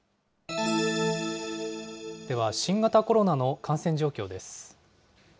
では、新型コロナの感染状況です。